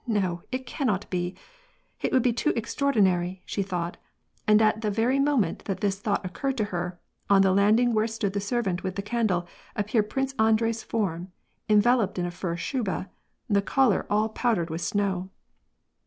" No, it can not be ! It would be too extraordinary, " she thought, and at the very moment that this thought occurred to her, on the landing where stood the servant with the candle, appeared Prince Andrei's form, enveloped in a fur shuba, the collar all powdered with snow.